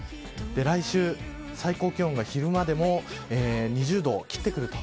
来週、最高気温が昼間でも２０度を切ってくると。